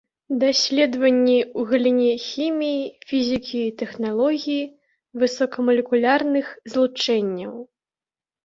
Даследаванні ў галіне хіміі, фізікі і тэхналогіі высокамалекулярных злучэнняў.